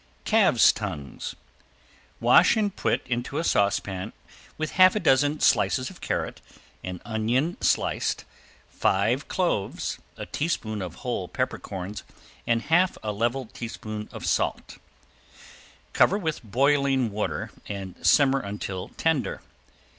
~CALVES' TONGUES~ Wash and put into a saucepan with half a dozen slices of carrot, an onion sliced, five cloves, a teaspoon of whole peppercorns, and half a level tablespoon of salt. Cover with boiling water and simmer until tender.